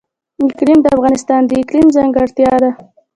اقلیم د افغانستان د اقلیم ځانګړتیا ده.